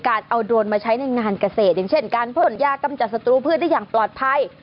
การเอาโดรนมาใช้ในงานเกษตรอย่างเช่นการพ่นยากำจัดศัตรูพืชได้อย่างปลอดภัย